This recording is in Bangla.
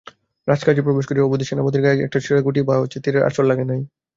রাজকার্যে প্রবেশ করিয়া অবধি সেনাপতির গায়ে একটা ছিটাগুলি বা তীরের আঁচড় লাগে নাই।